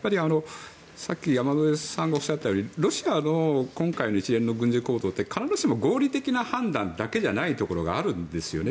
さっき山添さんがおっしゃったようにロシアの今回の一連の軍事行動って必ずしも合理的な判断だけじゃないところがあるんですよね。